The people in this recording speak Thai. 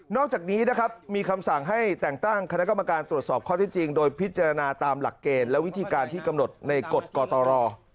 อกจากนี้นะครับมีคำสั่งให้แต่งตั้งคณะกรรมการตรวจสอบข้อที่จริงโดยพิจารณาตามหลักเกณฑ์และวิธีการที่กำหนดในกฎกตร